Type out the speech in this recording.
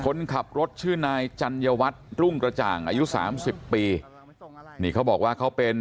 คนขับรถชื่อนายจันยวัดรุ้งตระจ่างอายุ๓๐ปีนี่เขาบอกว่าเขาเป็น